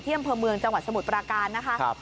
อำเภอเมืองจังหวัดสมุทรปราการนะคะ